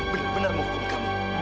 benar benar menghukum kamu